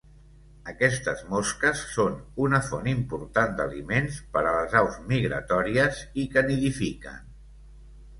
Aquestes mosques són una font important d'aliments per a les aus migratòries i que nidifiquen.